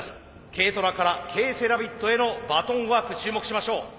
ＫトラからＫセラビットへのバトンワーク注目しましょう。